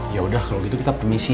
yaudah kalo gitu kita permisi ya